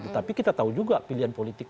tapi kita tahu juga pilihan politik